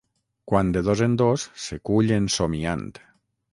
Quan de dos en dos se cull en somiant.